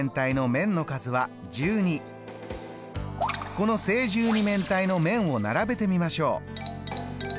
この正十二面体の面を並べてみましょう。